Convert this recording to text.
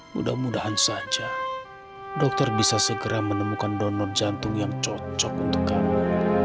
mudah mudahan saja dokter bisa segera menemukan donor jantung yang cocok untuk kamu